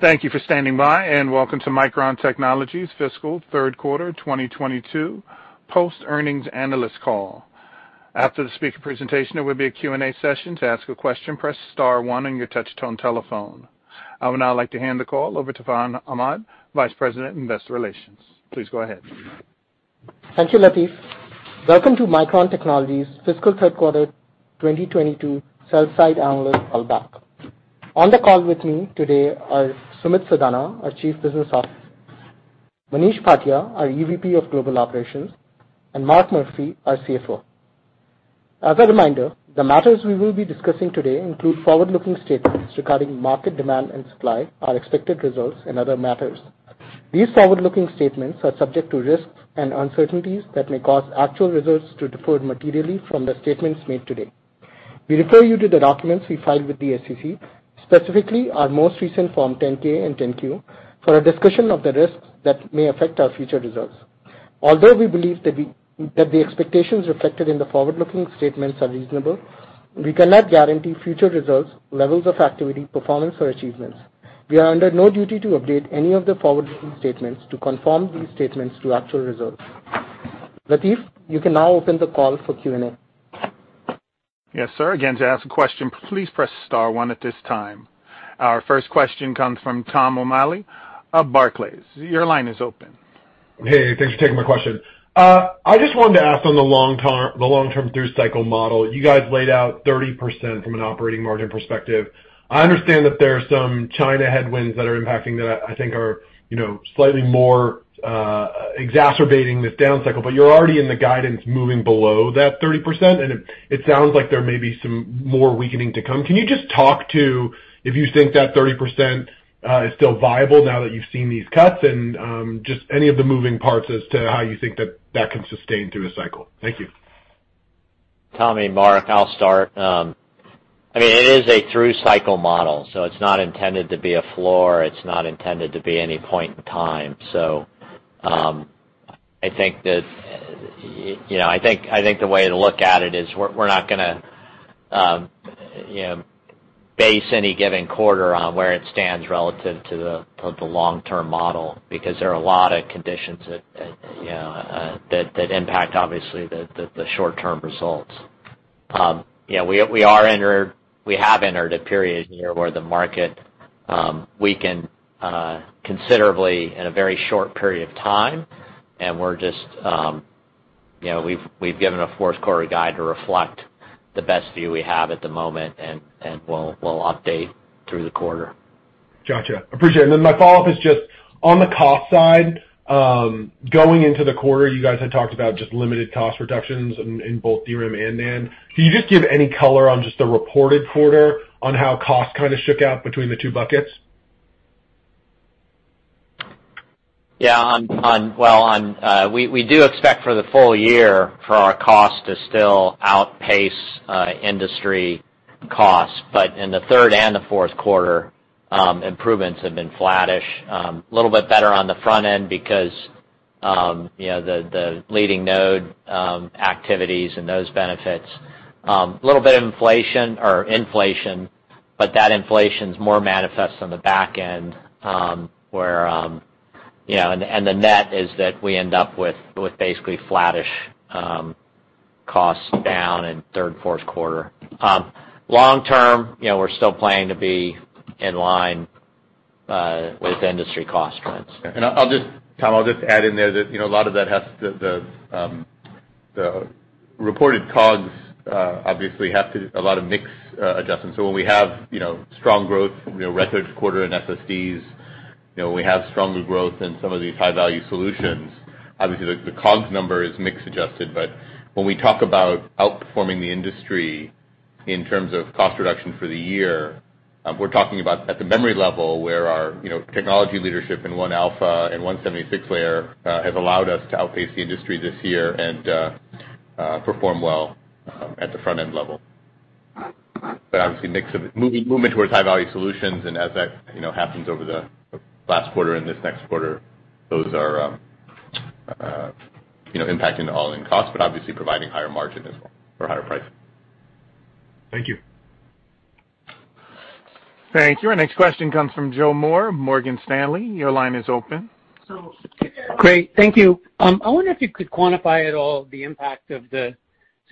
Thank you for standing by, and welcome to Micron Technology's fiscal third quarter 2022 post-earnings analyst call. After the speaker presentation, there will be a Q&A session. To ask a question, press star one on your touchtone telephone. I would now like to hand the call over to Farhan Ahmad, Vice President, Investor Relations. Please go ahead. Thank you, Latif. Welcome to Micron Technology's fiscal third quarter 2022 sell-side analyst callback. On the call with me today are Sumit Sadana, our Chief Business Officer, Manish Bhatia, our EVP of Global Operations, and Mark Murphy, our CFO. As a reminder, the matters we will be discussing today include forward-looking statements regarding market demand and supply, our expected results, and other matters. These forward-looking statements are subject to risks and uncertainties that may cause actual results to differ materially from the statements made today. We refer you to the documents we filed with the SEC, specifically our most recent Form 10-K and 10-Q, for a discussion of the risks that may affect our future results. Although we believe that the expectations reflected in the forward-looking statements are reasonable, we cannot guarantee future results, levels of activity, performance, or achievements. We are under no duty to update any of the forward-looking statements to conform these statements to actual results. Latif, you can now open the call for Q&A. Yes, sir. Again, to ask a question, please press star one at this time. Our first question comes from Tom O'Malley of Barclays. Your line is open. Hey, thanks for taking my question. I just wanted to ask on the long-term through cycle model. You guys laid out 30% from an operating margin perspective. I understand that there are some China headwinds that are impacting that I think are, you know, slightly more exacerbating this down cycle, but you're already in the guidance moving below that 30%, and it sounds like there may be some more weakening to come. Can you just talk to if you think that 30% is still viable now that you've seen these cuts, and just any of the moving parts as to how you think that can sustain through a cycle? Thank you. Tom, I'm Mark, I'll start. I mean, it is a through cycle model, so it's not intended to be a floor, it's not intended to be any point in time. I think that, you know, I think the way to look at it is we're not gonna, you know, base any given quarter on where it stands relative to the long-term model because there are a lot of conditions that, you know, that impact obviously the short-term results. You know, we have entered a period here where the market weakened considerably in a very short period of time, and we're just, you know, we've given a fourth quarter guide to reflect the best view we have at the moment, and we'll update through the quarter. Gotcha. Appreciate it. My follow-up is just on the cost side, going into the quarter, you guys had talked about just limited cost reductions in both DRAM and NAND. Can you just give any color on just the reported quarter on how cost kinda shook out between the two buckets? Well, we do expect for the full year for our cost to still outpace industry costs. In the third and the fourth quarter, improvements have been flattish. Little bit better on the front end because, you know, the leading node activities and those benefits. A little bit of inflation, but that inflation's more manifest on the back end, where, you know. The net is that we end up with basically flattish costs down in third and fourth quarter. Long term, you know, we're still planning to be in line with industry cost trends. Tom, I'll just add in there that, you know, a lot of that has the reported COGS obviously have to do a lot of mix adjustments. When we have, you know, strong growth, you know, record quarter in SSDs, you know, we have stronger growth in some of these high-value solutions. Obviously, the COGS number is mix adjusted, but when we talk about outperforming the industry in terms of cost reduction for the year, we're talking about at the memory level where our, you know, technology leadership in 1α and 176-layer have allowed us to outpace the industry this year and perform well at the front end level. Obviously, mix of it moving towards high-value solutions and as that, you know, happens over the last quarter and this next quarter, those are, you know, impacting the all-in cost, but obviously providing higher margin as well or higher price. Thank you. Thank you. Our next question comes from Joe Moore, Morgan Stanley. Your line is open. Great. Thank you. I wonder if you could quantify at all the impact of the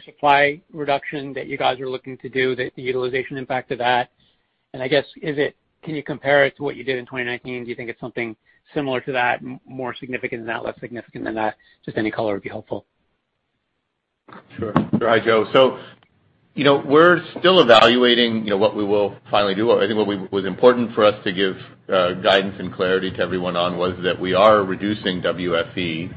supply reduction that you guys are looking to do, the utilization impact of that. I guess, can you compare it to what you did in 2019? Do you think it's something similar to that, more significant than that, less significant than that? Just any color would be helpful. Sure. All right, Joe. You know, we're still evaluating, you know, what we will finally do. I think what was important for us to give guidance and clarity to everyone on was that we are reducing WFE.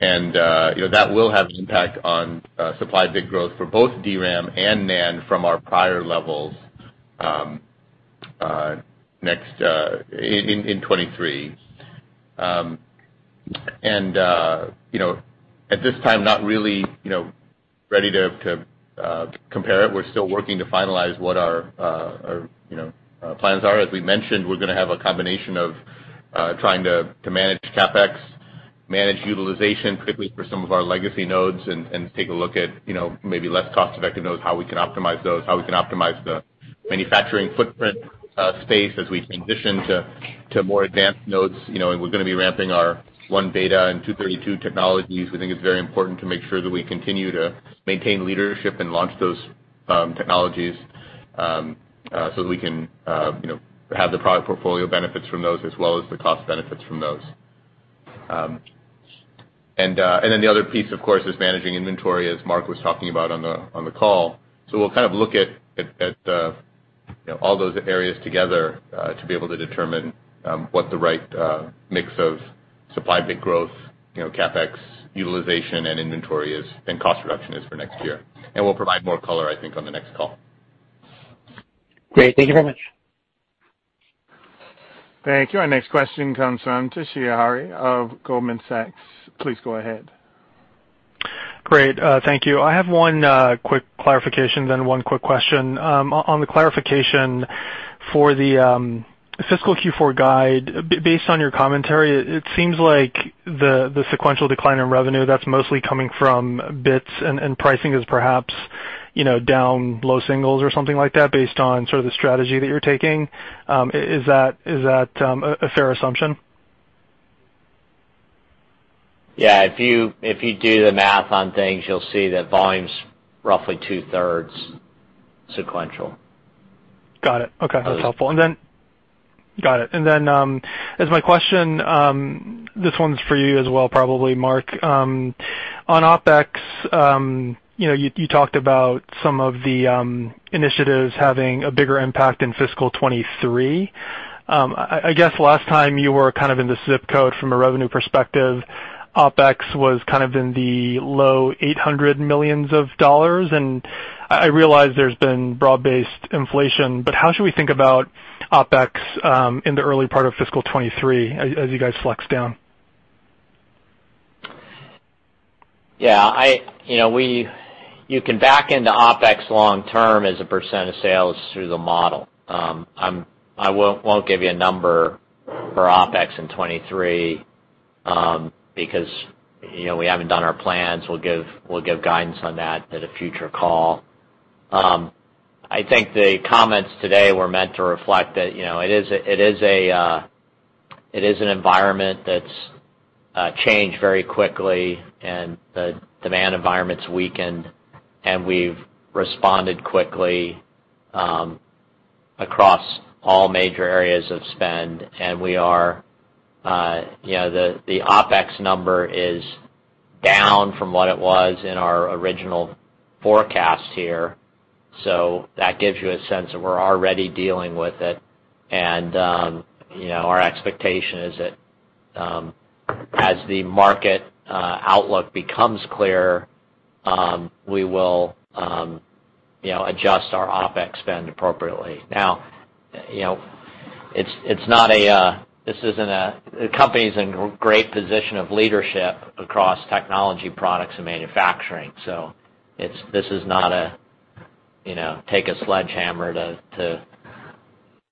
You know, that will have an impact on supply bit growth for both DRAM and NAND from our prior levels next in 2023. You know, at this time not really ready to compare it. We're still working to finalize what our plans are. As we mentioned, we're gonna have a combination of trying to manage CapEx, manage utilization, particularly for some of our legacy nodes, and take a look at, you know, maybe less cost-effective nodes, how we can optimize those, how we can optimize the manufacturing footprint, space as we transition to more advanced nodes. You know, we're gonna be ramping our 1β and 232-layer technologies. We think it's very important to make sure that we continue to maintain leadership and launch those technologies, so that we can, you know, have the product portfolio benefits from those as well as the cost benefits from those. Then the other piece, of course, is managing inventory as Mark was talking about on the call. We'll kind of look at you know all those areas together to be able to determine what the right mix of supply bit growth you know CapEx utilization and inventory is, and cost reduction is for next year. We'll provide more color, I think, on the next call. Great. Thank you very much. Thank you. Our next question comes from Toshiya Hari of Goldman Sachs. Please go ahead. Great. Thank you. I have one quick clarification then one quick question. On the clarification for the fiscal Q4 guide, based on your commentary, it seems like the sequential decline in revenue, that's mostly coming from bits and pricing is perhaps, you know, down low singles or something like that based on sort of the strategy that you're taking. Is that a fair assumption? Yeah. If you do the math on things, you'll see that volume's roughly two-thirds sequential. Got it. Okay. So- That's helpful. Then, as my question, this one's for you as well, probably, Mark. On OpEx, you know, you talked about some of the initiatives having a bigger impact in fiscal 2023. I guess last time you were kind of in the ZIP code from a revenue perspective, OpEx was kind of in the low $800 million. I realize there's been broad-based inflation, but how should we think about OpEx in the early part of fiscal 2023 as you guys flex down? Yeah. You know, you can back into OpEx long term as a percent of sales through the model. I won't give you a number for OpEx in 2023 because, you know, we haven't done our plans. We'll give guidance on that at a future call. I think the comments today were meant to reflect that, you know, it is an environment that's changed very quickly and the demand environment's weakened, and we've responded quickly across all major areas of spend. We are, you know, the OpEx number is down from what it was in our original forecast here. That gives you a sense that we're already dealing with it. Our expectation is that as the market outlook becomes clear, we will, you know, adjust our OpEx spend appropriately. Now, you know, the company's in great position of leadership across technology products and manufacturing. This is not a, you know, take a sledgehammer to,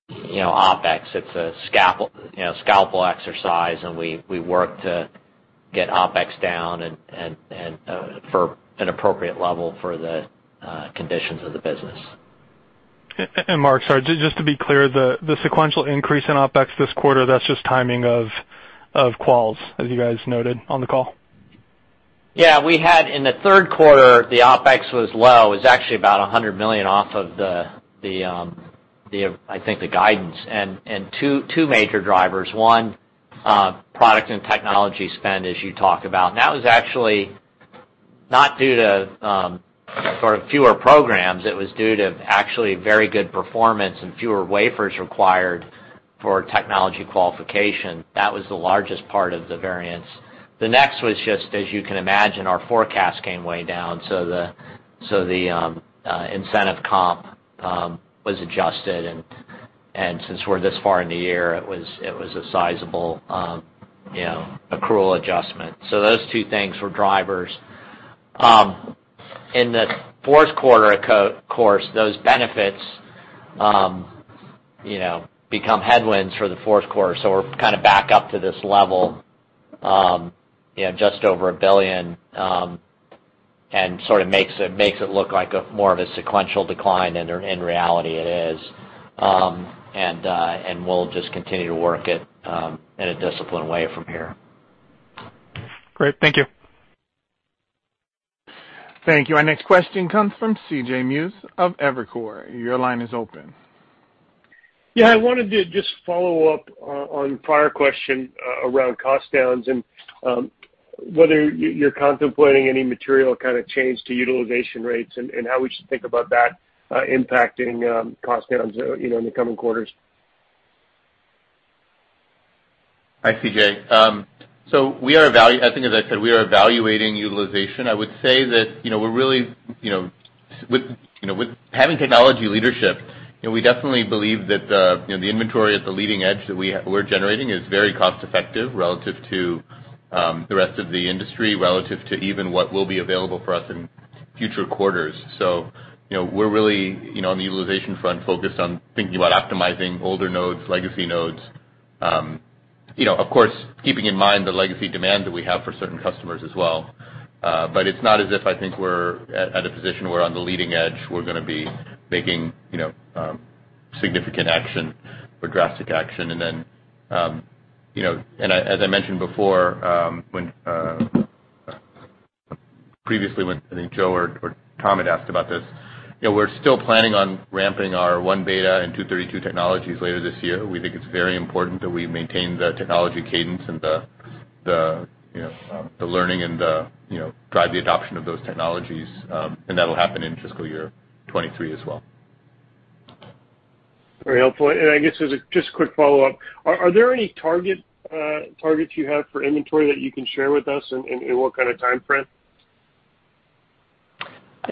you know, OpEx. It's a scalpel, you know, scalpel exercise, and we work to get OpEx down and for an appropriate level for the conditions of the business. Mark, sorry, just to be clear, the sequential increase in OpEx this quarter, that's just timing of quals, as you guys noted on the call. Yeah. We had in the third quarter, the OpEx was low. It was actually about $100 million off of the guidance. Two major drivers. One, product and technology spend, as you talked about. That was actually not due to sort of fewer programs. It was due to actually very good performance and fewer wafers required for technology qualification. That was the largest part of the variance. The next was just, as you can imagine, our forecast came way down, so the incentive comp was adjusted. Since we're this far in the year, it was a sizable you know, accrual adjustment. Those two things were drivers. In the fourth quarter, of course, those benefits you know, become headwinds for the fourth quarter. We're kind of back up to this level, you know, just over $1 billion, and sort of makes it look like more of a sequential decline than in reality it is. We'll just continue to work it in a disciplined way from here. Great. Thank you. Thank you. Our next question comes from CJ Muse of Evercore. Your line is open. Yeah, I wanted to just follow up on prior question around cost downs and whether you're contemplating any material kind of change to utilization rates and how we should think about that impacting cost downs, you know, in the coming quarters. Hi, CJ. So we are evaluating utilization. I think as I said, we are evaluating utilization. I would say that, you know, we're really, you know, with having technology leadership, you know, we definitely believe that, you know, the inventory at the leading edge that we're generating is very cost effective relative to the rest of the industry, relative to even what will be available for us in future quarters. So, you know, we're really, you know, on the utilization front, focused on thinking about optimizing older nodes, legacy nodes. You know, of course, keeping in mind the legacy demand that we have for certain customers as well. But it's not as if I think we're at a position where on the leading edge we're gonna be making, you know, significant action or drastic action. I, as I mentioned before, when previously when I think Joe or Tom had asked about this. You know, we're still planning on ramping our 1β and 232-layer technologies later this year. We think it's very important that we maintain the technology cadence and the, you know, the learning and the, you know, drive the adoption of those technologies. That'll happen in fiscal year 2023 as well. Very helpful. I guess as a just quick follow-up, are there any targets you have for inventory that you can share with us and in what kind of time frame?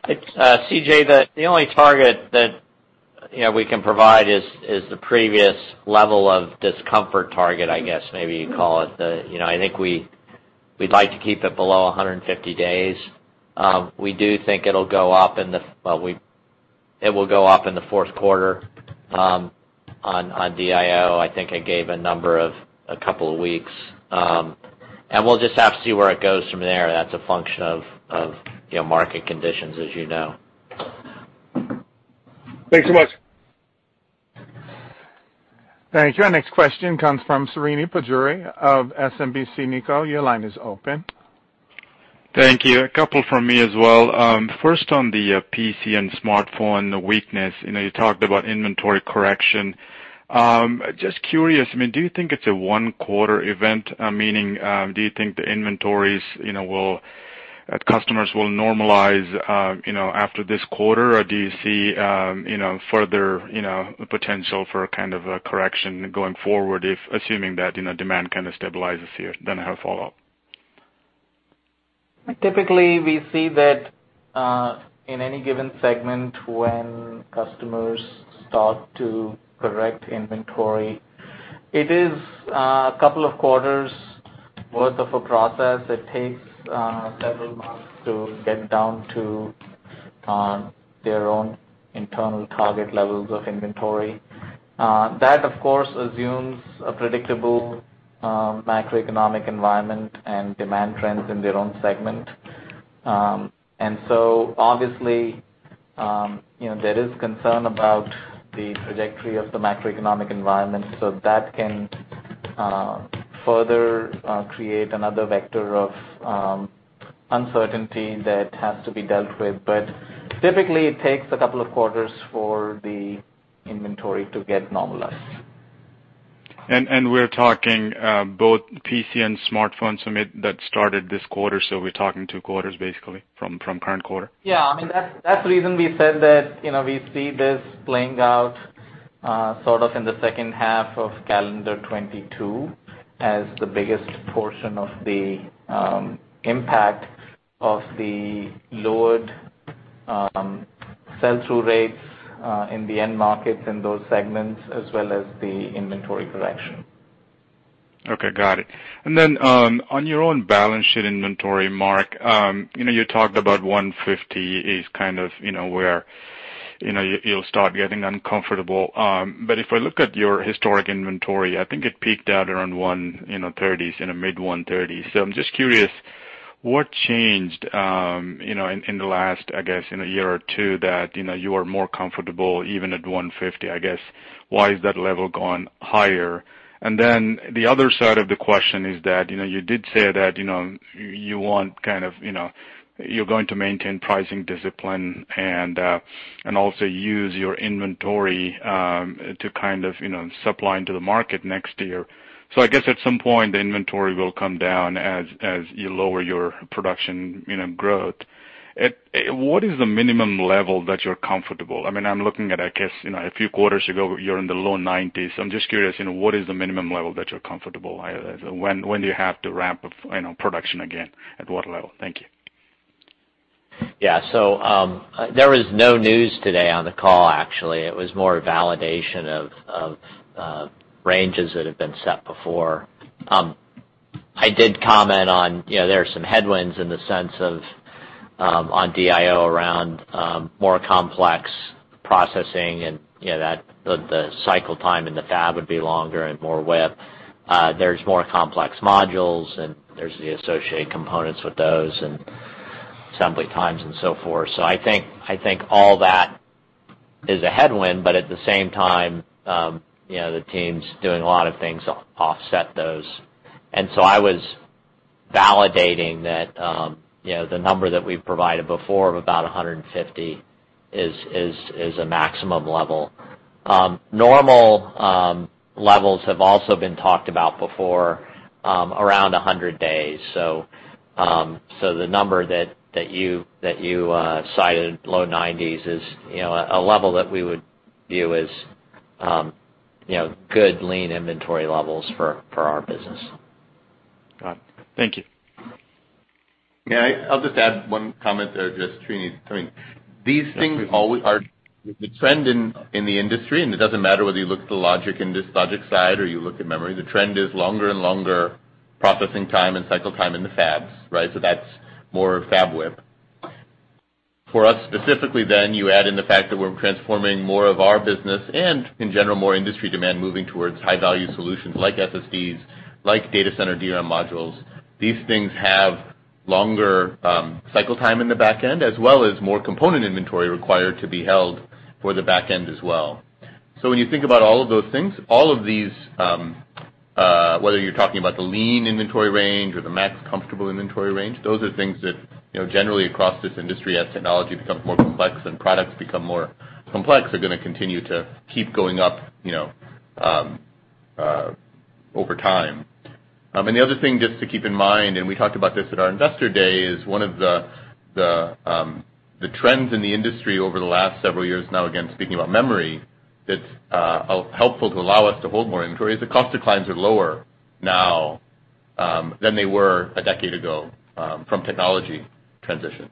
It's CJ, the only target that, you know, we can provide is the previous level of inventory target. I guess maybe you'd call it. You know, I think we'd like to keep it below 150 days. We do think it'll go up in the fourth quarter on DIO. I think I gave a number of a couple of weeks. We'll just have to see where it goes from there. That's a function of, you know, market conditions, as you know. Thanks so much. Thank you. Our next question comes from Srini Pajjuri of SMBC Nikko. Your line is open. Thank you. A couple from me as well. First on the PC and smartphone weakness. You know, you talked about inventory correction. Just curious, I mean, do you think it's a one-quarter event? Meaning, do you think the inventories, you know, customers will normalize, you know, after this quarter? Or do you see, you know, further, you know, potential for kind of a correction going forward if assuming that, you know, demand kind of stabilizes here? Then I have a follow-up. Typically, we see that, in any given segment when customers start to correct inventory, it is a couple of quarters worth of a process. It takes several months to get down to their own internal target levels of inventory. That, of course, assumes a predictable macroeconomic environment and demand trends in their own segment. Obviously, you know, there is concern about the trajectory of the macroeconomic environment, so that can further create another vector of uncertainty that has to be dealt with. Typically, it takes a couple of quarters for the inventory to get normalized. We're talking both PC and smartphones, Sumit, that started this quarter, so we're talking two quarters basically from current quarter. Yeah. I mean, that's the reason we said that, you know, we see this playing out sort of in the second half of calendar 2022 as the biggest portion of the impact of the lowered sell-through rates in the end markets in those segments as well as the inventory correction. Okay. Got it. On your own balance sheet inventory, Mark, you know, you talked about $150 is kind of, you know, where, you know, you'll start getting uncomfortable. If I look at your historic inventory, I think it peaked out around 130s, you know, mid-130s. I'm just curious, what changed, you know, in the last, I guess, you know, year or two that, you know, you are more comfortable even at $150, I guess? Why has that level gone higher? The other side of the question is that, you know, you did say that, you know, you want kind of, you know, you're going to maintain pricing discipline and also use your inventory to kind of, you know, supply into the market next year. I guess at some point, the inventory will come down as you lower your production, you know, growth. What is the minimum level that you're comfortable? I mean, I'm looking at, I guess, you know, a few quarters ago, you're in the low 90s. I'm just curious, you know, what is the minimum level that you're comfortable? When do you have to ramp up, you know, production again? At what level? Thank you. Yeah. There was no news today on the call, actually. It was more a validation of ranges that have been set before. I did comment on, you know, there are some headwinds in the sense of on DIO around more complex processing and, you know, that the cycle time in the fab would be longer and more WIP. There's more complex modules, and there's the associated components with those and assembly times and so forth. I think all that is a headwind, but at the same time, you know, the team's doing a lot of things to offset those. I was validating that, you know, the number that we've provided before of about 150 is a maximum level. Normal levels have also been talked about before, around 100 days. The number that you cited, low 90s, is, you know, a level that we would view as, you know, good lean inventory levels for our business. Got it. Thank you. I'll just add one comment there, just Srini's comment. These things always are the trend in the industry, and it doesn't matter whether you look at the logic in this logic side or you look at memory. The trend is longer and longer processing time and cycle time in the fabs, right? That's more fab WIP. For us specifically then, you add in the fact that we're transforming more of our business and, in general, more industry demand moving towards high-value solutions like SSDs, like data center DRAM modules. These things have longer cycle time in the back end, as well as more component inventory required to be held for the back end as well. When you think about all of those things, all of these, whether you're talking about the lean inventory range or the max comfortable inventory range, those are things that, you know, generally across this industry, as technology becomes more complex and products become more complex, are gonna continue to keep going up, you know, over time. The other thing just to keep in mind, and we talked about this at our Investor Day, is one of the trends in the industry over the last several years now, again, speaking about memory, that's helpful to allow us to hold more inventory is the cost declines are lower now than they were a decade ago, from technology transition.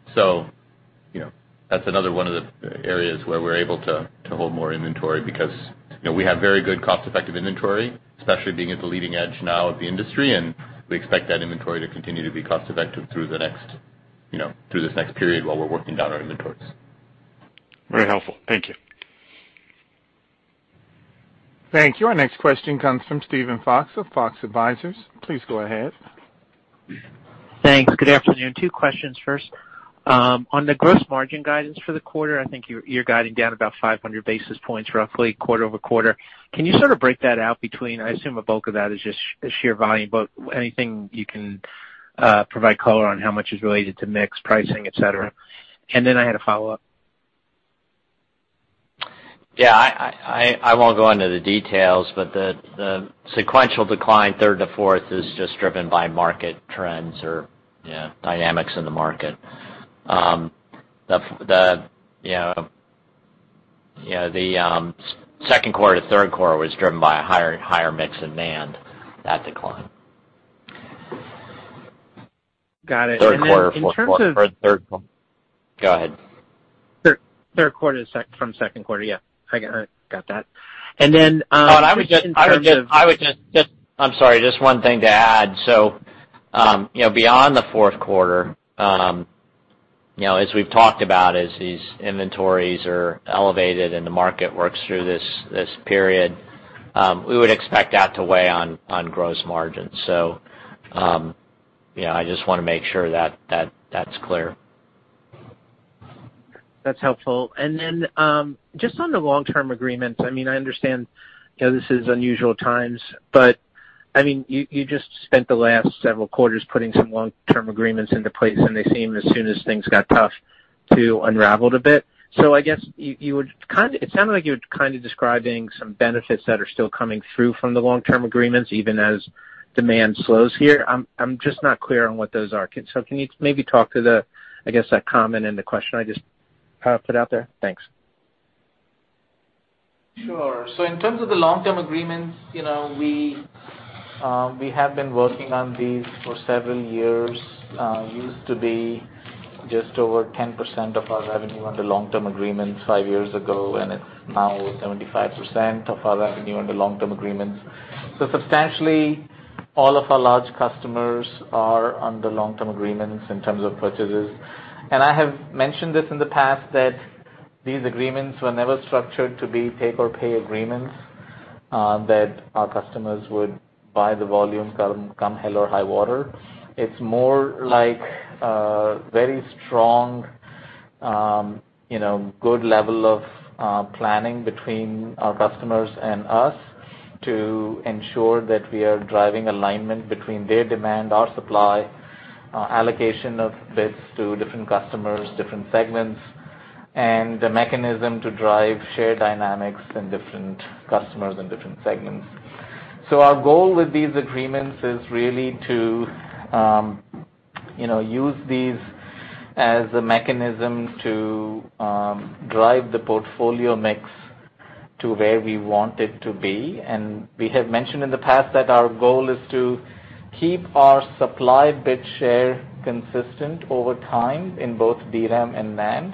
You know, that's another one of the areas where we're able to hold more inventory because, you know, we have very good cost-effective inventory, especially being at the leading edge now of the industry, and we expect that inventory to continue to be cost-effective through this next period while we're working down our inventories. Very helpful. Thank you. Thank you. Our next question comes from Steven Fox of Fox Advisors. Please go ahead. Thanks. Good afternoon. Two questions. First, on the gross margin guidance for the quarter, I think you're guiding down about 500 basis points roughly quarter-over-quarter. Can you sort of break that out between, I assume a bulk of that is just sheer volume, but anything you can provide color on how much is related to mix, pricing, et cetera? I had a follow-up. Yeah. I won't go into the details, but the sequential decline third to fourth is just driven by market trends or, yeah, dynamics in the market. You know, the second quarter to third quarter was driven by a higher and higher mix in NAND, that decline. Got it. Third quarter, fourth quarter. In terms of. Go ahead. Third quarter from second quarter. Yeah, I got that. Just in terms of- No. I would just. I'm sorry, just one thing to add. You know, beyond the fourth quarter, you know, as we've talked about, as these inventories are elevated and the market works through this period, we would expect that to weigh on gross margins. You know, I just wanna make sure that that's clear. That's helpful. Just on the long-term agreements, I mean, I understand, you know, this is unusual times, but, I mean, you just spent the last several quarters putting some long-term agreements into place, and they seem, as soon as things got tough, to unraveled a bit. I guess it sounded like you were kind of describing some benefits that are still coming through from the long-term agreements, even as demand slows here. I'm just not clear on what those are. So, can you maybe talk to the, I guess, that comment and the question I just put out there? Thanks. Sure. In terms of the long-term agreements, you know, we have been working on these for several years. Used to be just over 10% of our revenue under long-term agreements five years ago, and it's now 75% of our revenue under long-term agreements. Substantially all of our large customers are under long-term agreements in terms of purchases. I have mentioned this in the past, that these agreements were never structured to be take or pay agreements, that our customers would buy the volume come hell or high water. It's more like a very strong, you know, good level of, planning between our customers and us to ensure that we are driving alignment between their demand, our supply, allocation of bits to different customers, different segments, and the mechanism to drive shared dynamics in different customers and different segments. Our goal with these agreements is really to, you know, use these as a mechanism to, drive the portfolio mix to where we want it to be. We have mentioned in the past that our goal is to keep our supply bit share consistent over time in both DRAM and NAND,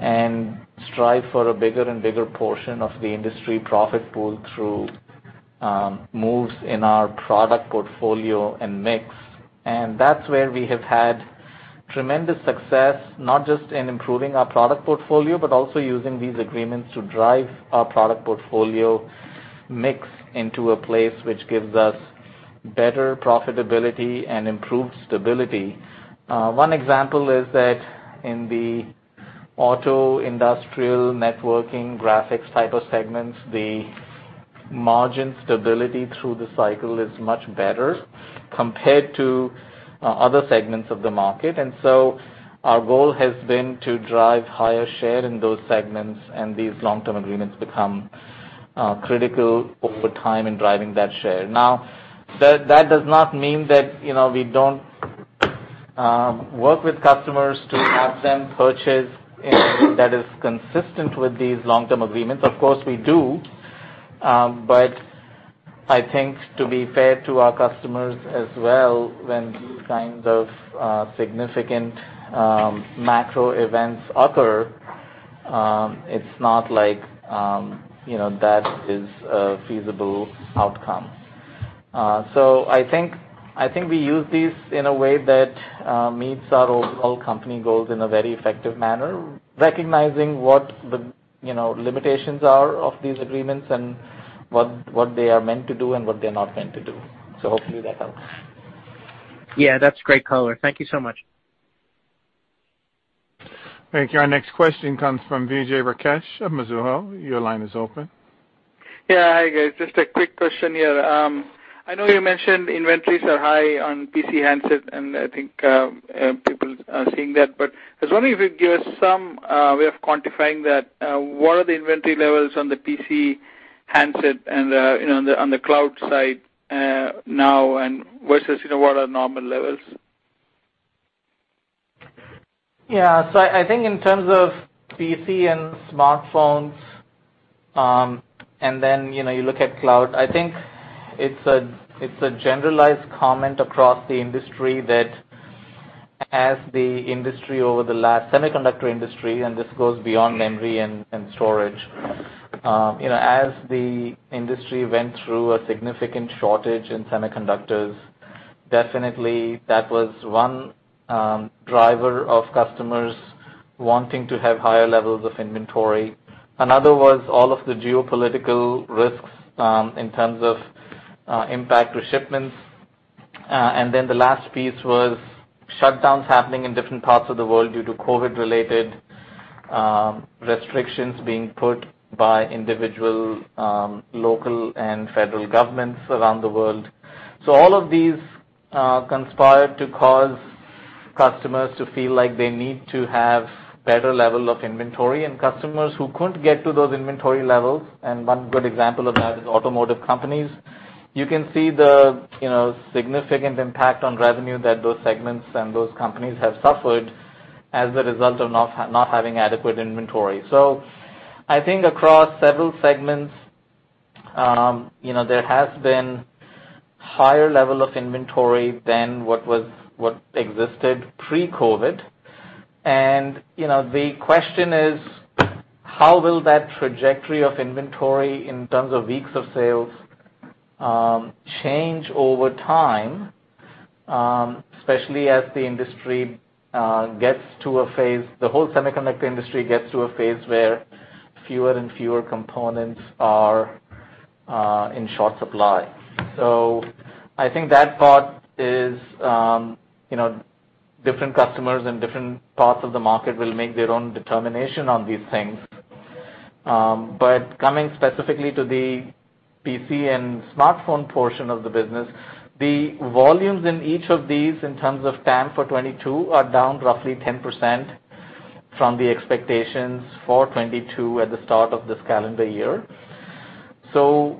and strive for a bigger and bigger portion of the industry profit pool through, moves in our product portfolio and mix. That's where we have had tremendous success, not just in improving our product portfolio, but also using these agreements to drive our product portfolio mix into a place which gives us better profitability and improved stability. One example is that in the auto, industrial, networking, graphics type of segments, the margin stability through the cycle is much better compared to other segments of the market. Our goal has been to drive higher share in those segments, and these long-term agreements become critical over time in driving that share. Now, that does not mean that, you know, we don't work with customers to have them purchase inventory that is consistent with these long-term agreements. Of course, we do. I think to be fair to our customers as well, when these kinds of significant macro events occur, it's not like, you know, that is a feasible outcome. I think we use these in a way that meets our overall company goals in a very effective manner, recognizing what the, you know, limitations are of these agreements and what they are meant to do and what they're not meant to do. Hopefully that helps. Yeah, that's great color. Thank you so much. Thank you. Our next question comes from Vijay Rakesh of Mizuho. Your line is open. Yeah. Hi, guys. Just a quick question here. I know you mentioned inventories are high on PC handset, and I think, people are seeing that. But I was wondering if you could give us some way of quantifying that. What are the inventory levels on the PC handset and the, you know, on the cloud side, now and versus, you know, what are normal levels? Yeah. I think in terms of PC and smartphones, and then, you know, you look at cloud. I think it's a generalized comment across the industry that as the industry semiconductor industry, and this goes beyond memory and storage. You know, as the industry went through a significant shortage in semiconductors, definitely that was one driver of customers wanting to have higher levels of inventory. Another was all of the geopolitical risks, in terms of impact to shipments. Then the last piece was shutdowns happening in different parts of the world due to COVID-related restrictions being put by individual local and federal governments around the world. All of these conspired to cause customers to feel like they need to have better level of inventory and customers who couldn't get to those inventory levels, and one good example of that is automotive companies. You can see the, you know, significant impact on revenue that those segments and those companies have suffered as a result of not having adequate inventory. I think across several segments, you know, there has been higher level of inventory than what existed pre-COVID. You know, the question is, how will that trajectory of inventory in terms of weeks of sales change over time, especially as the industry gets to a phase, the whole semiconductor industry gets to a phase where fewer and fewer components are in short supply. I think that part is, you know, different customers in different parts of the market will make their own determination on these things. Coming specifically to the PC and smartphone portion of the business, the volumes in each of these in terms of TAM for 2022 are down roughly 10% from the expectations for 2022 at the start of this calendar year.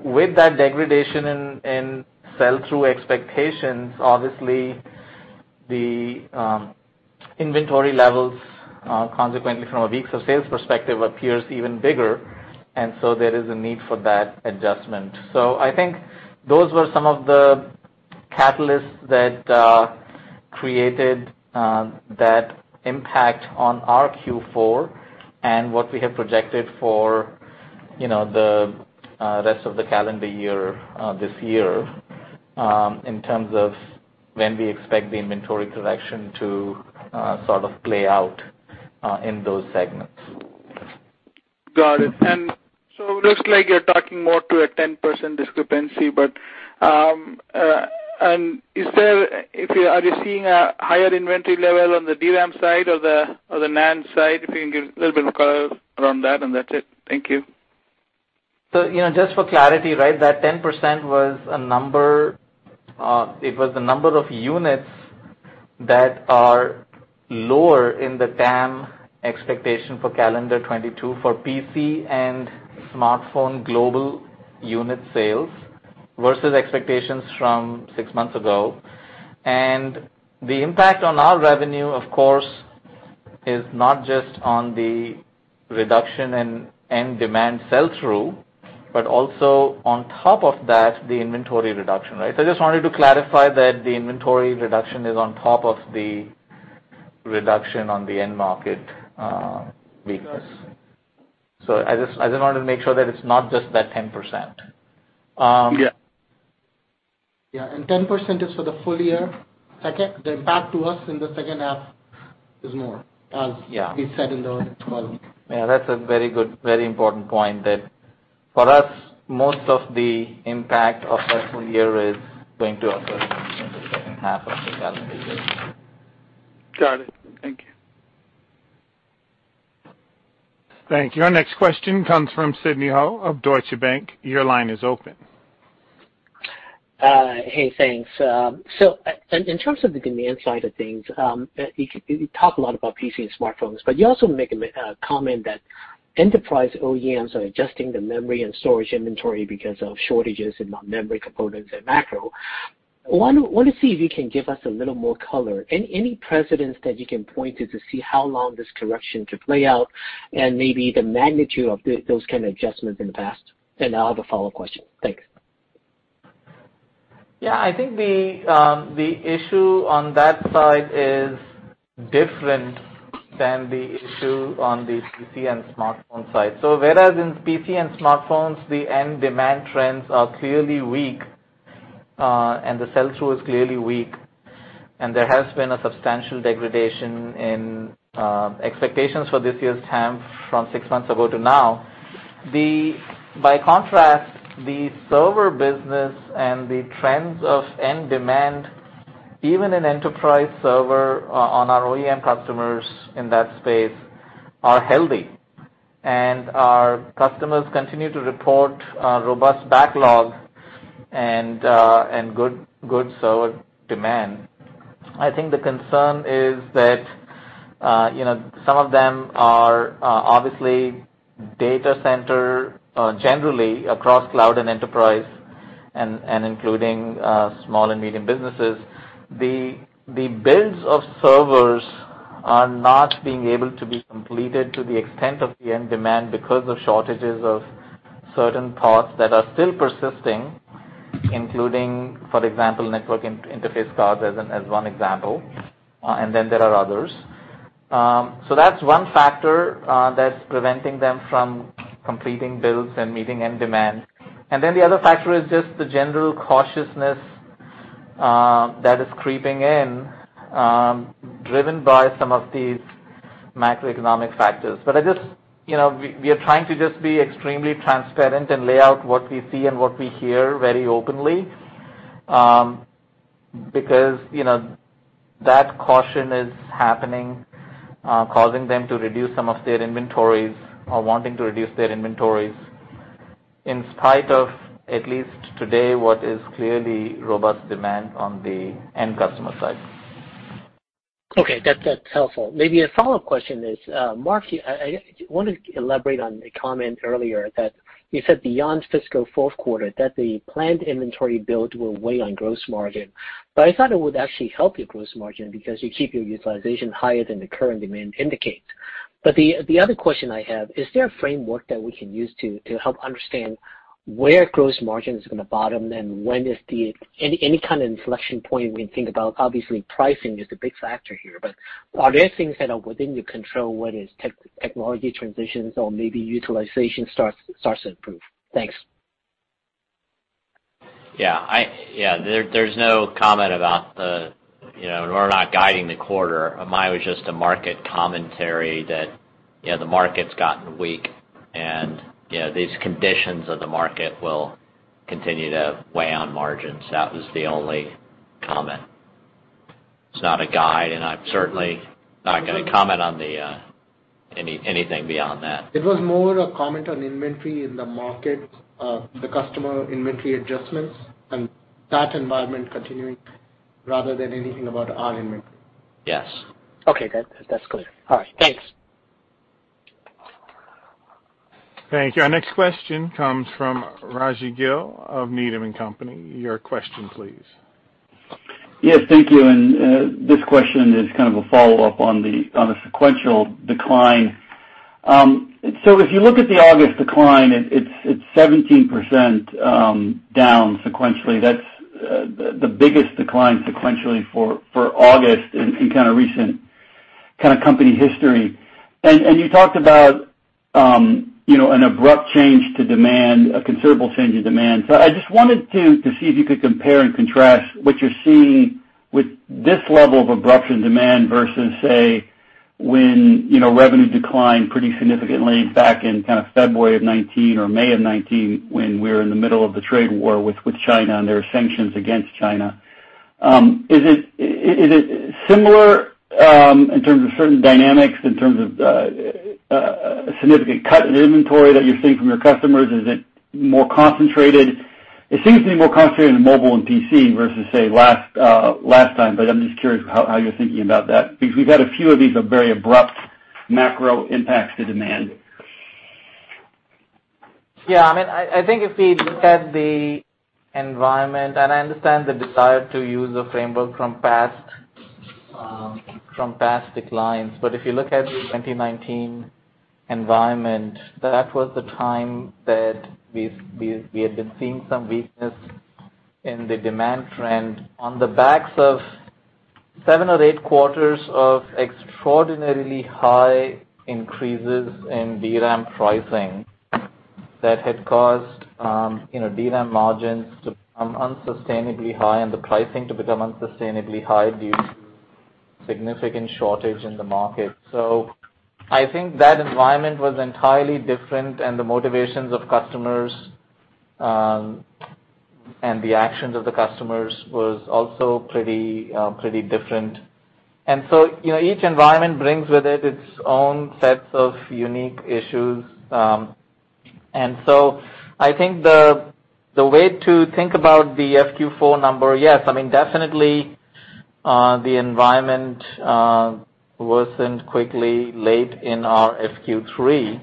With that degradation in sell-through expectations, obviously the inventory levels consequently from a weeks of sales perspective appears even bigger, and there is a need for that adjustment. I think those were some of the catalysts that created that impact on our Q4 and what we have projected for, you know, the rest of the calendar year, this year, in terms of when we expect the inventory correction to sort of play out in those segments. Got it. It looks like you're talking more to a 10% discrepancy, but are you seeing a higher inventory level on the DRAM side or the NAND side? If you can give a little bit of color around that, and that's it. Thank you. You know, just for clarity, right, that 10% was a number, it was the number of units that are lower in the TAM expectation for calendar 2022 for PC and smartphone global unit sales versus expectations from six months ago. The impact on our revenue, of course, is not just on the reduction in end demand sell-through, but also on top of that, the inventory reduction, right? I just wanted to clarify that the inventory reduction is on top of the reduction on the end market weakness. Got it. I just wanted to make sure that it's not just that 10%. Yeah. Yeah, 10% is for the full year. Second, the impact to us in the second half is more, as- Yeah. He said in the call. Yeah, that's a very good, very important point that for us, most of the impact of that full year is going to occur in the second half of the calendar year. Got it. Thank you. Thank you. Our next question comes from Sidney Ho of Deutsche Bank. Your line is open. Hey, thanks. In terms of the demand side of things, you talk a lot about PC and smartphones, but you also make a comment that enterprise OEMs are adjusting the memory and storage inventory because of shortages in memory components and macro. I want to see if you can give us a little more color. Any precedents that you can point to to see how long this correction could play out and maybe the magnitude of those kind of adjustments in the past? And I'll have a follow-up question. Thanks. Yeah, I think the issue on that side is different than the issue on the PC and smartphone side. Whereas in PC and smartphones, the end demand trends are clearly weak, and the sell-through is clearly weak, and there has been a substantial degradation in expectations for this year's TAM from six months ago to now. By contrast, the server business and the trends of end demand, even in enterprise server on our OEM customers in that space, are healthy. Our customers continue to report a robust backlog and good server demand. I think the concern is that you know, some of them are obviously data center generally across cloud and enterprise and including small and medium businesses. The builds of servers are not being able to be completed to the extent of the end demand because of shortages of certain parts that are still persisting, including, for example, network interface cards as one example, and then there are others. So that's one factor that's preventing them from completing builds and meeting end demand. The other factor is just the general cautiousness that is creeping in, driven by some of these macroeconomic factors. I just, you know, we are trying to just be extremely transparent and lay out what we see and what we hear very openly, because, you know, that caution is happening, causing them to reduce some of their inventories or wanting to reduce their inventories in spite of, at least today, what is clearly robust demand on the end customer side. Okay. That's helpful. Maybe a follow-up question is, Mark, I want to elaborate on a comment earlier that you said beyond fiscal fourth quarter that the planned inventory build will weigh on gross margin. I thought it would actually help your gross margin because you keep your utilization higher than the current demand indicates. The other question I have, is there a framework that we can use to help understand where gross margin is gonna bottom, and when is any kind of inflection point we can think about? Obviously, pricing is a big factor here, but are there things that are within your control, whether it's technology transitions or maybe utilization starts to improve? Thanks. There's no comment about the, you know, we're not guiding the quarter. Mine was just a market commentary that, you know, the market's gotten weak, and, you know, these conditions of the market will continue to weigh on margins. That was the only comment. It's not a guide, and I'm certainly not gonna comment on anything beyond that. It was more a comment on inventory in the market, the customer inventory adjustments and that environment continuing rather than anything about our inventory. Yes. Okay. That's clear. All right. Thanks. Thank you. Our next question comes from Rajvi Gill of Needham & Company. Your question, please. Yes, thank you. This question is kind of a follow-up on the sequential decline. If you look at the August decline, it's 17% down sequentially. That's the biggest decline sequentially for August in kind of recent company history. You talked about, you know, an abrupt change in demand, a considerable change in demand. I just wanted to see if you could compare and contrast what you're seeing with this level of abruptness in demand versus, say, when, you know, revenue declined pretty significantly back in kind of February of 2019 or May of 2019 when we were in the middle of the trade war with China and there were sanctions against China. Is it similar in terms of certain dynamics, in terms of a significant cut in inventory that you're seeing from your customers? Is it more concentrated? It seems to be more concentrated in mobile and PC versus, say, last time, but I'm just curious how you're thinking about that. Because we've had a few of these very abrupt macro impacts to demand. Yeah. I mean, I think if we look at the environment, and I understand the desire to use a framework from past declines, but if you look at the 2019 environment, that was the time that we had been seeing some weakness in the demand trend on the backs of seven or eight quarters of extraordinarily high increases in DRAM pricing that had caused, you know, DRAM margins to become unsustainably high and the pricing to become unsustainably high due to significant shortage in the market. I think that environment was entirely different, and the motivations of customers, and the actions of the customers was also pretty different. You know, each environment brings with it its own sets of unique issues. I think the way to think about the FQ4 number, yes, I mean, definitely, the environment worsened quickly late in our FQ3.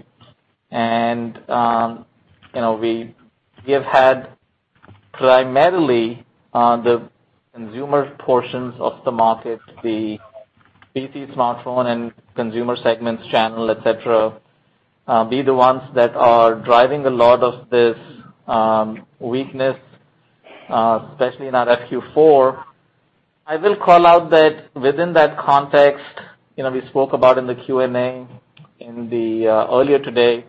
You know, we have had primarily the consumer portions of the market, the PC, smartphone, and consumer segments, channel, et cetera, be the ones that are driving a lot of this weakness, especially in our FQ4. I will call out that within that context, you know, we spoke about in the Q&A earlier today,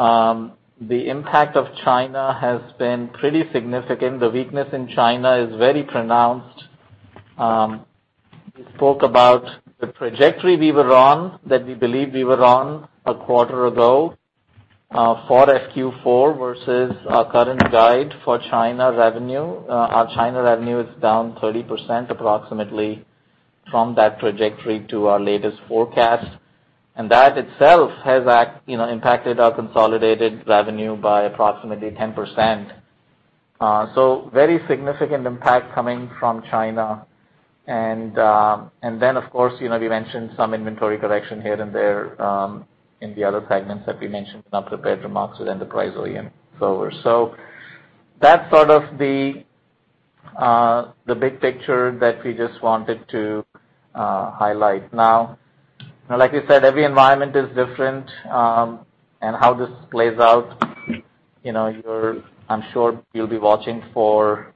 the impact of China has been pretty significant. The weakness in China is very pronounced. We spoke about the trajectory we were on, that we believe we were on a quarter ago, for FQ4 versus our current guide for China revenue. Our China revenue is down 30% approximately from that trajectory to our latest forecast. That itself has, you know, impacted our consolidated revenue by approximately 10%. Very significant impact coming from China. Of course, you know, we mentioned some inventory correction here and there in the other segments that we mentioned in our prepared remarks within the price OEM forward. That's sort of the big picture that we just wanted to highlight. Now, like you said, every environment is different, and how this plays out, you know, I'm sure you'll be watching for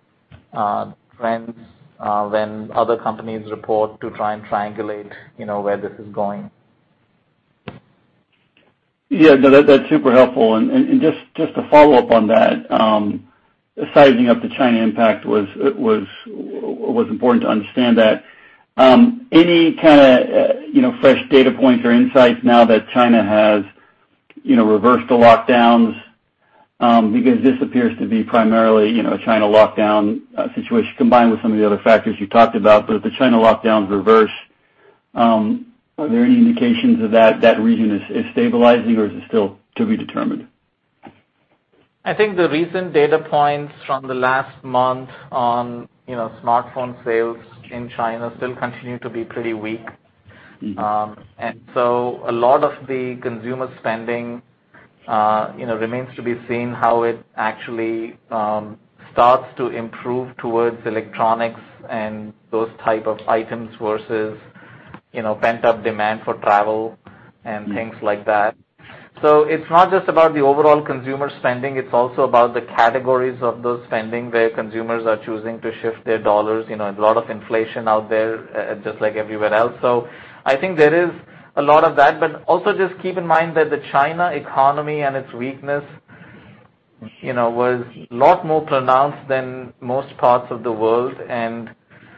trends when other companies report to try and triangulate, you know, where this is going. Yeah, no, that's super helpful. Just to follow up on that, sizing up the China impact was important to understand that. Any kinda, you know, fresh data points or insights now that China has, you know, reversed the lockdowns, because this appears to be primarily, you know, a China lockdown situation combined with some of the other factors you talked about. If the China lockdowns reverse, are there any indications that that region is stabilizing or is it still to be determined? I think the recent data points from the last month on, you know, smartphone sales in China still continue to be pretty weak. A lot of the consumer spending, you know, remains to be seen how it actually starts to improve towards electronics and those type of items versus, you know, pent-up demand for travel and things like that. It's not just about the overall consumer spending, it's also about the categories of those spending where consumers are choosing to shift their dollars. You know, a lot of inflation out there, just like everywhere else. I think there is a lot of that. Also just keep in mind that the China economy and its weakness, you know, was a lot more pronounced than most parts of the world, and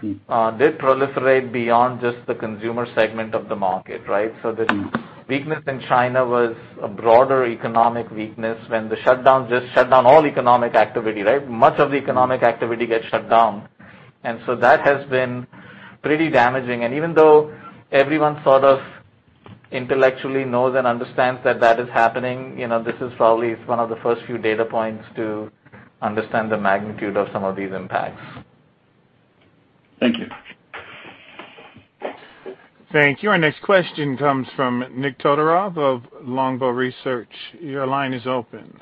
did proliferate beyond just the consumer segment of the market, right? The weakness in China was a broader economic weakness when the shutdown just shut down all economic activity, right? Much of the economic activity gets shut down. Even though everyone sort of intellectually knows and understands that that is happening, you know, this is probably one of the first few data points to understand the magnitude of some of these impacts. Thank you. Thank you. Our next question comes from Nik Todorov of Longbow Research. Your line is open.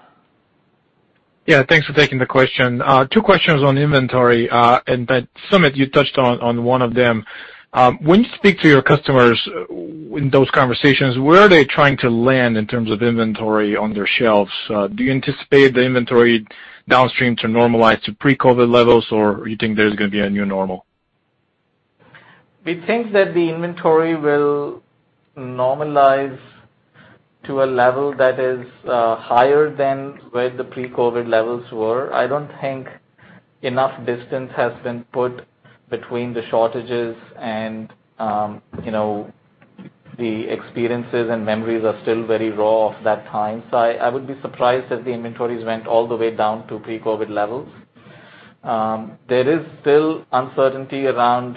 Yeah, thanks for taking the question. Two questions on inventory, and then Sumit, you touched on one of them. When you speak to your customers in those conversations, where are they trying to land in terms of inventory on their shelves? Do you anticipate the inventory downstream to normalize to pre-COVID levels, or you think there's gonna be a new normal? We think that the inventory will normalize to a level that is higher than where the pre-COVID levels were. I don't think enough distance has been put between the shortages and you know, the experiences and memories are still very raw of that time. I would be surprised if the inventories went all the way down to pre-COVID levels. There is still uncertainty around,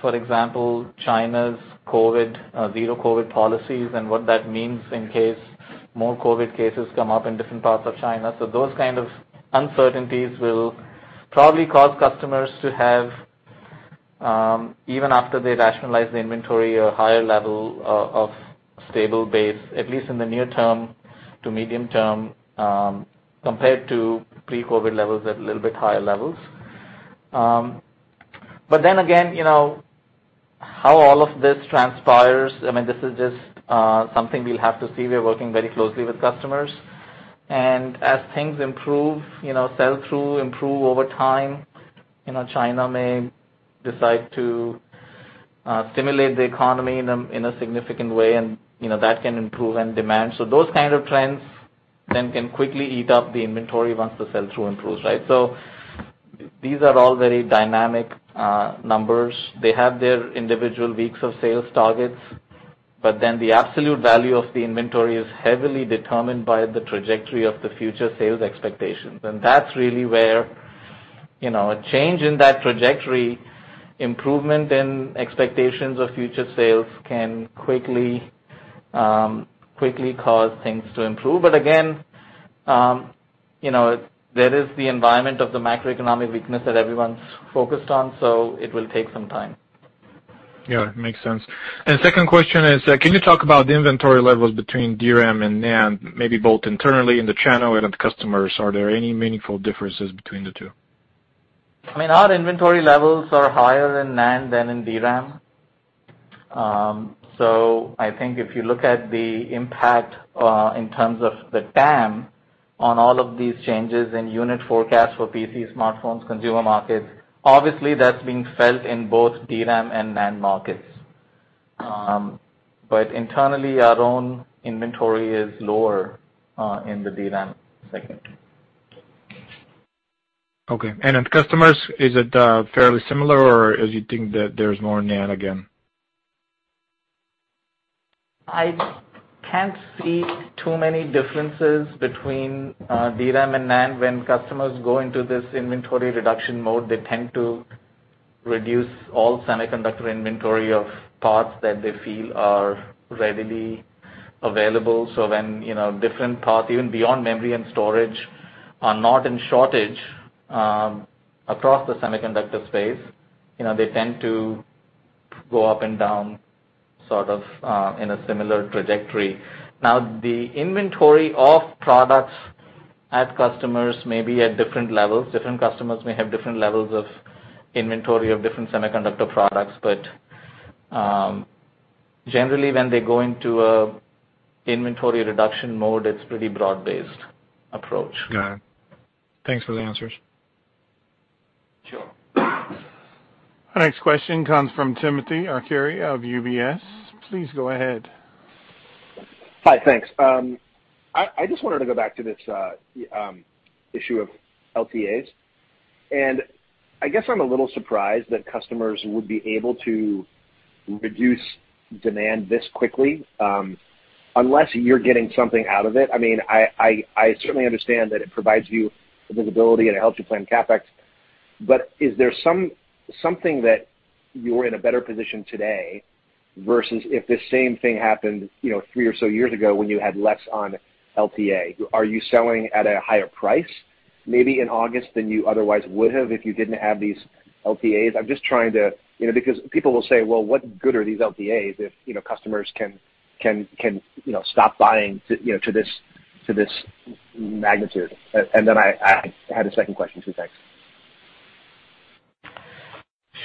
for example, China's zero-COVID policies and what that means in case more COVID cases come up in different parts of China. Those kind of uncertainties will probably cause customers to have even after they rationalize the inventory, a higher level of stable base, at least in the near term to medium term, compared to pre-COVID levels at a little bit higher levels. You know, how all of this transpires, I mean, this is just something we'll have to see. We're working very closely with customers. As things improve, you know, sell-through improve over time, you know, China may decide to stimulate the economy in a significant way and, you know, that can improve end demand. Those kind of trends then can quickly eat up the inventory once the sell-through improves, right? These are all very dynamic numbers. They have their individual weeks of sales targets, but then the absolute value of the inventory is heavily determined by the trajectory of the future sales expectations. That's really where, you know, a change in that trajectory, improvement in expectations of future sales can quickly cause things to improve. Again, you know, there is the environment of the macroeconomic weakness that everyone's focused on, so it will take some time. Yeah, makes sense. Second question is, can you talk about the inventory levels between DRAM and NAND, maybe both internally in the channel and customers? Are there any meaningful differences between the two? I mean, our inventory levels are higher in NAND than in DRAM. I think if you look at the impact, in terms of the TAM on all of these changes in unit forecast for PC, smartphones, consumer markets, obviously that's being felt in both DRAM and NAND markets. Internally, our own inventory is lower in the DRAM segment. Okay. Customers, is it fairly similar or is it, you think that there's more NAND again? I can't see too many differences between DRAM and NAND. When customers go into this inventory reduction mode, they tend to reduce all semiconductor inventory of parts that they feel are readily available. When, you know, different parts, even beyond memory and storage, are not in shortage, across the semiconductor space, you know, they tend to go up and down sort of in a similar trajectory. Now, the inventory of products at customers may be at different levels. Different customers may have different levels of inventory of different semiconductor products. Generally, when they go into inventory reduction mode, it's pretty broad-based approach. Got it. Thanks for the answers. Sure. Our next question comes from Timothy Arcuri of UBS. Please go ahead. Hi, thanks. I just wanted to go back to this issue of LTAs. I guess I'm a little surprised that customers would be able to reduce demand this quickly, unless you're getting something out of it. I mean, I certainly understand that it provides you visibility and it helps you plan CapEx, but is there something that you're in a better position today versus if the same thing happened, you know, three or so years ago when you had less on LTA? Are you selling at a higher price maybe in August than you otherwise would have if you didn't have these LTAs? I'm just trying to. You know, because people will say, "Well, what good are these LTAs if, you know, customers can, you know, stop buying to, you know, to this magnitude?" I had a second question too. Thanks.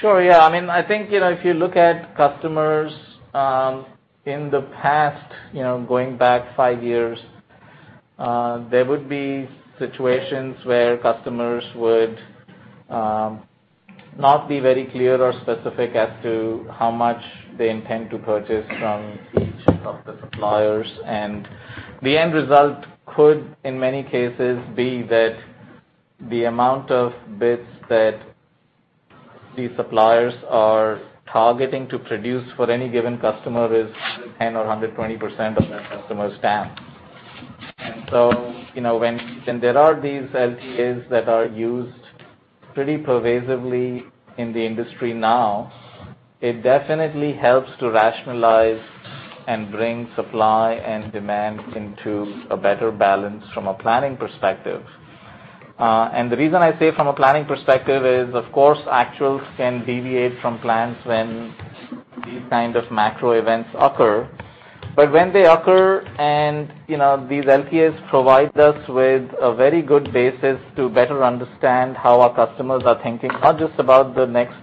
Sure. Yeah. I mean, I think, you know, if you look at customers, in the past, you know, going back five years, there would be situations where customers would, not be very clear or specific as to how much they intend to purchase from each of the suppliers. The end result could, in many cases, be that the amount of bits that these suppliers are targeting to produce for any given customer is 10 or 120% of their customer's TAM. You know, when there are these LTAs that are used pretty pervasively in the industry now, it definitely helps to rationalize and bring supply and demand into a better balance from a planning perspective. The reason I say from a planning perspective is, of course, actuals can deviate from plans when these kind of macro events occur. When they occur and, you know, these LTAs provide us with a very good basis to better understand how our customers are thinking, not just about the next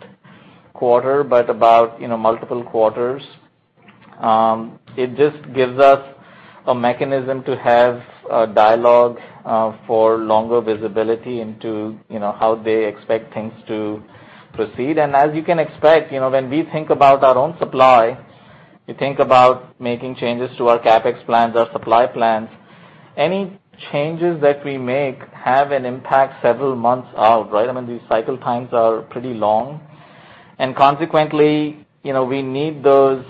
quarter, but about, you know, multiple quarters, it just gives us a mechanism to have a dialogue, for longer visibility into, you know, how they expect things to proceed. As you can expect, you know, when we think about our own supply, we think about making changes to our CapEx plans, our supply plans. Any changes that we make have an impact several months out, right? I mean, these cycle times are pretty long. Consequently, you know, we need those,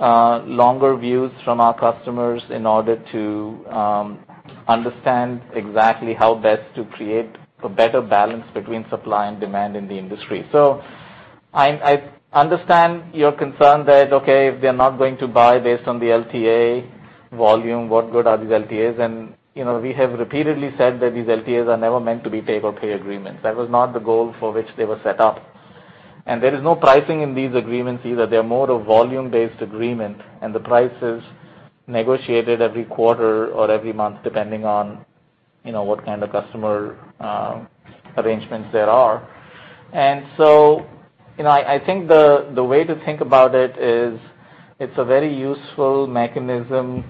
longer views from our customers in order to, understand exactly how best to create a better balance between supply and demand in the industry. I understand your concern that, okay, if they're not going to buy based on the LTA volume, what good are these LTAs? You know, we have repeatedly said that these LTAs are never meant to be take-or-pay agreements. That was not the goal for which they were set up. There is no pricing in these agreements either. They're more of volume-based agreement, and the price is negotiated every quarter or every month, depending on, you know, what kind of customer arrangements there are. You know, I think the way to think about it is it's a very useful mechanism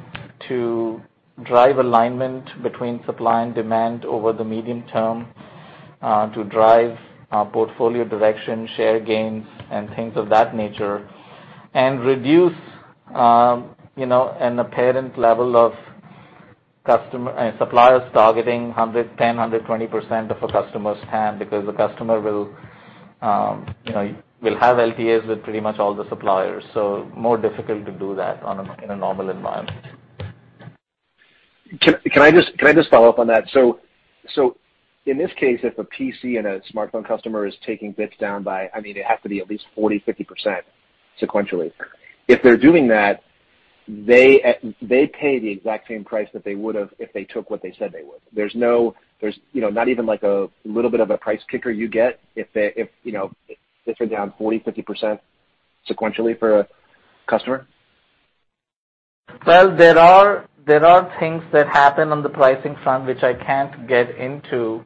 to drive alignment between supply and demand over the medium term, to drive our portfolio direction, share gains, and things of that nature, and reduce you know an apparent level of customer and suppliers targeting 110-120% of a customer's TAM because the customer will have LTAs with pretty much all the suppliers. More difficult to do that in a normal environment. Can I just follow up on that? In this case, if a PC and a smartphone customer is taking bits down by, I mean, it has to be at least 40%-50% sequentially. If they're doing that, they pay the exact same price that they would have if they took what they said they would. There's, you know, not even like a little bit of a price kicker you get if they, you know, bits are down 40%-50% sequentially for a customer? Well, there are things that happen on the pricing front, which I can't get into.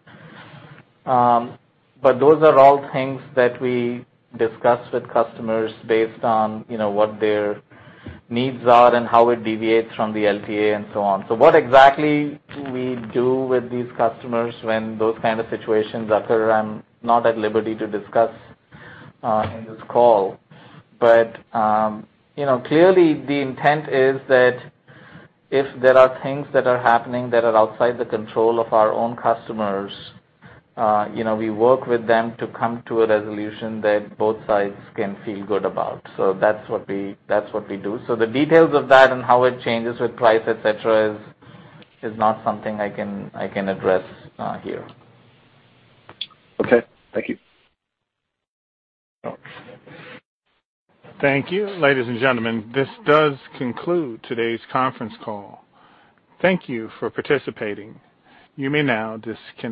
Those are all things that we discuss with customers based on, you know, what their needs are and how it deviates from the LTA and so on. What exactly do we do with these customers when those kind of situations occur, I'm not at liberty to discuss in this call. You know, clearly the intent is that if there are things that are happening that are outside the control of our own customers, you know, we work with them to come to a resolution that both sides can feel good about. That's what we do. The details of that and how it changes with price, et cetera, is not something I can address here. Okay. Thank you. Thank you. Ladies and gentlemen, this does conclude today's conference call. Thank you for participating. You may now disconnect.